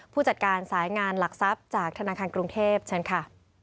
ผู้จัดการสายงานหลักทรัพย์จากธนาคารกรุงเทพเชิญค่ะ